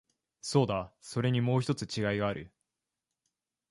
そうだ、それにもう一つ違いがある。